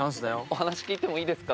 お話聞いてもいいです？